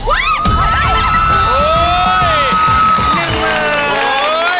อะไร